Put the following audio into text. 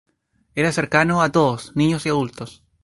Era cercano a todos, niños y adultos.